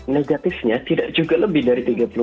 negatifnya tidak juga lebih dari